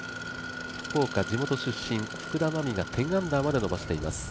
福岡、地元出身福田真未が１０アンダーまで伸ばしています